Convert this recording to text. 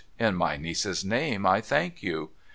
In my niece's name, I thank you.'